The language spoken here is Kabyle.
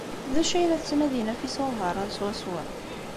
D acu ay la tettnadi Nafisa n Ubeṛṛan swaswa?